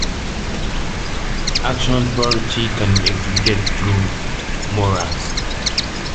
Action poetry can be exhibited through murals.